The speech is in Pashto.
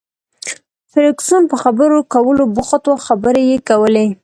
فرګوسن په خبرو کولو بوخته وه، خبرې یې کولې.